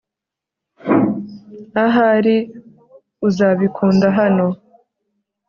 ahari uzabikunda hano